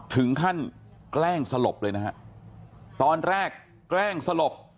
ถึงขั้นแกล้งสลบเลยนะครับตอนแรกแกล้งสลบ